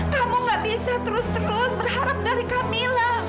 kamu nggak bisa terus terus berharap dari kamila